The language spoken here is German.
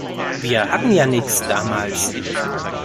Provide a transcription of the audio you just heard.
Wir hatten ja nix, damals.